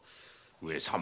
上様。